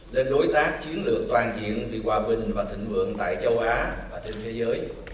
lên đối tác chiến lược toàn diện vì hòa bình và thịnh vượng tại châu á và trên thế giới